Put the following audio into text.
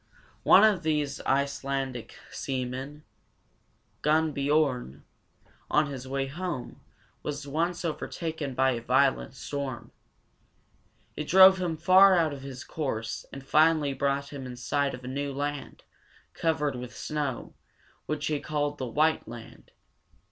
One of these Ice lan´dic seamen, Gunn´biorn, on his way home, was once overtaken by a violent storm. It drove him far out of his course, and finally brought him in sight of a new land, covered with snow, which he called the White Land.